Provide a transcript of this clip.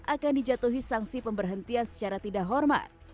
akan dijatuhi sanksi pemberhentian secara tidak hormat